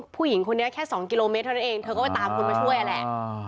ผู้หญิงคนนี้แค่สองกิโลเมตรนั่นเองเธอก็ไปตามคนมาช่วยอะไร